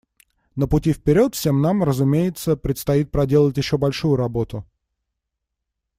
На пути вперед всем нам, разумеется, предстоит проделать еще большую работу.